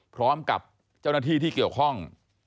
พร้อมกับเจ้าหน้าที่ที่เกี่ยวข้อง